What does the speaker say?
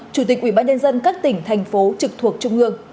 chủ tịch ubnd các tỉnh thành phố trực thuộc trung ương